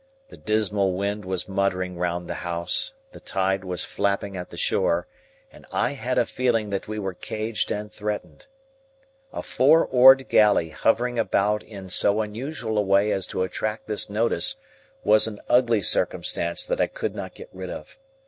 The dismal wind was muttering round the house, the tide was flapping at the shore, and I had a feeling that we were caged and threatened. A four oared galley hovering about in so unusual a way as to attract this notice was an ugly circumstance that I could not get rid of.